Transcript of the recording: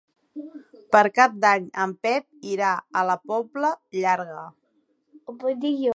Per Cap d'Any en Pep irà a la Pobla Llarga.